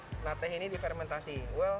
ini kita buat teh yang di fermentasi